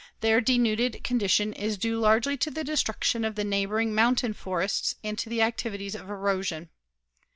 Their denuded condition is due largely to the destruction of the neighboring mountain forests and to the activities of erosion.